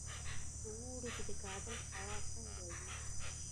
په اوړي کې د کابل هوا څنګه وي؟